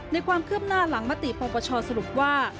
ในความคืบหน้าหลังมติปชสรุปว่า